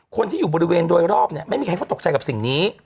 คนที่อยู่บริเวณโดยรอบเนี่ยไม่มีใครเขาตกใจกับสิ่งนี้